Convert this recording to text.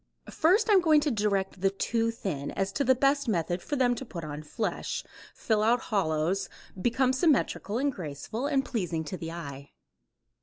First I am going to direct the too thin as to the best method for them to put on flesh, fill out hollows, become symmetrical and graceful and pleasing to the eye.